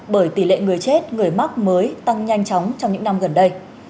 bởi tỷ lệ người chết người mắc mới tăng nhanh chóng trong những năm gần đây